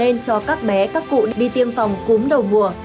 nên cho các bé các cụ đi tiêm phòng cúm đầu mùa